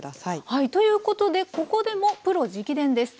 はいということでここでもプロ直伝です。